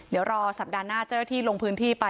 เดี๋ยวรอสัปดาห์หน้าเจ้าหน้าที่ลงพื้นที่ไป